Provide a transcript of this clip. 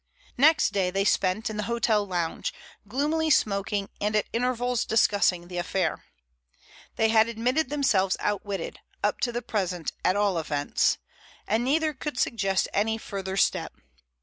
Next day they spent in the hotel lounge, gloomily smoking and at intervals discussing the affair. They had admitted themselves outwitted—up to the present at all events. And neither could suggest any further step.